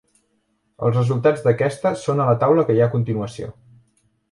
Els resultats d'aquesta són a la taula que hi ha a continuació.